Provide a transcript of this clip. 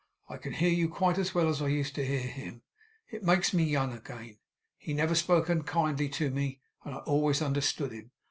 I can hear you quite as well as I used to hear him. It makes me young again. He never spoke unkindly to me, and I always understood him.